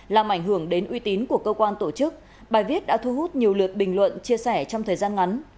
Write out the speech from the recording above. làm ảnh hưởng đến uy tín của cơ quan tổ chức bài viết đã thu hút nhiều lượt bình luận chia sẻ trong thời gian ngắn